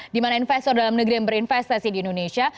dimana investor dalam negeri yang berinvestasi di indonesia